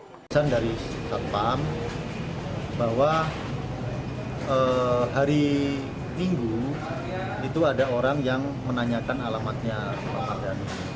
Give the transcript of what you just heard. pemeriksaan dari sampam bahwa hari minggu itu ada orang yang menanyakan alamatnya mardani